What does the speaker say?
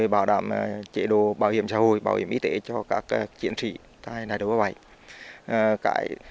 bảo đảm chế độ bảo hiểm xã hội bảo hiểm y tế cho các chiến sĩ tại đại đội pháo phòng ba mươi bảy mm nữ dân quân